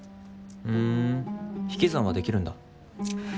ふん引き算はできるんだ。